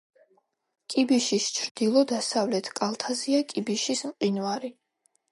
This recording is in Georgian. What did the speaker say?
კიბიშის ჩრდილო-დასავლეთ კალთაზეა კიბიშის მყინვარი.